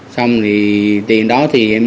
xong thì tiền đó thì em đi chơi game